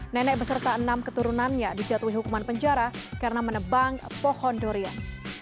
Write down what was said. nenek beserta enam keturunannya dijatuhi hukuman penjara karena menebang pohon durian